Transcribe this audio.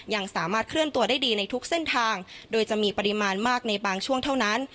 ยังสามารถเคลื่อนตัวได้ดีในทุกเส้นทางโดยจะมีปริมาณมากในบางช่วงเท่านั้น